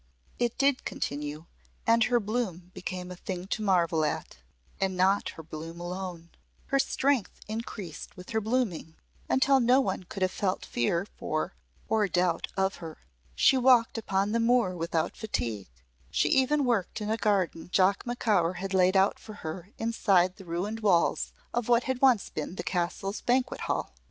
It did continue and her bloom became a thing to marvel at. And not her bloom alone. Her strength increased with her blooming until no one could have felt fear for or doubt of her. She walked upon the moor without fatigue, she even worked in a garden Jock Macaur had laid out for her inside the ruined walls of what had once been the castle's banquet hall.